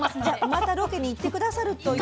またロケに行って下さるという。